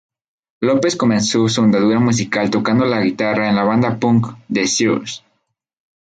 Lopez comenzó su andadura musical tocando la guitarra en la banda punk The Zeros.